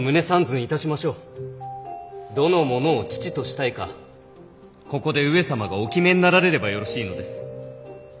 どの者を父としたいかここで上様がお決めになられればよろしいのです。